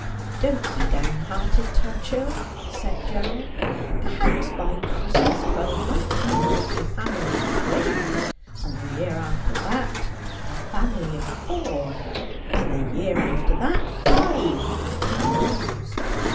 'Don't be down hearted, Turchill,' said Gerald. 'Perhaps by Christmas twelvemonth you may be a family of three ; and the year after that a family of four ; and the year after that, five. Who knows